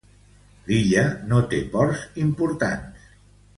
L'illa no té ports importants.